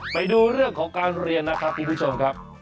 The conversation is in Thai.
ไปดูเรื่องของการเรียนนะครับคุณผู้ชมครับ